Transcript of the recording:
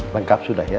lengkap sudah ya